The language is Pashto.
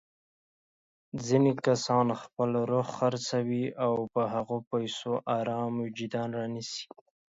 ځيني کسان خپل روح خرڅوي او په هغو پيسو ارام وجدان رانيسي.